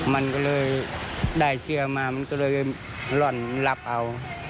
มันก็เลยได้เสื้อมามันก็เลยหล่อนรับเอา